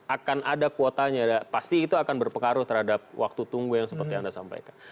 akan ada kuotanya pasti itu akan berpengaruh terhadap waktu tunggu yang seperti anda sampaikan